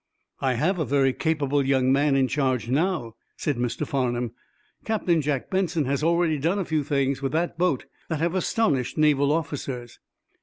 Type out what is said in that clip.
"I have a very capable young man in charge now," said Mr. Farnum. "Captain Jack Benson has already done a few things with the boat that have astonished Naval officers."